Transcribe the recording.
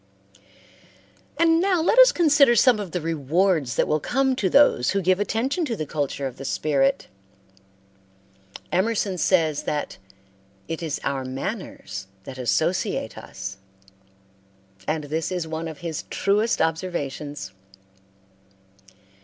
And now let us consider some of the rewards that will come to those who give attention to the culture of the spirit. Emerson says that "it is our manners that associate us," and this is one of his truest observations.